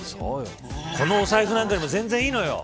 このお財布なんかよりも全然いいのよ。